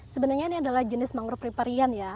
sebenarnya ini adalah jenis mangrove riparian ya